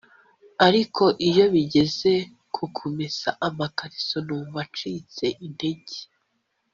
ariko iyo bigeze ku kumesa amakariso numva ncitse intege